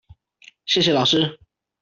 謝謝老師